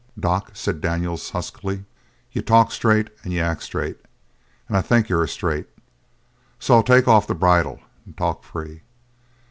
"Doc," said Daniels huskily, "you talk straight, and you act straight, and I think you are straight, so I'll take off the bridle and talk free.